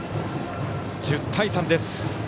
１０対３です。